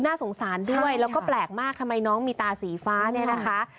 น่าสงสารด้วยแล้วก็แปลกมากทำไมน้องมีตาสีฟ้าเนี่ยนะคะ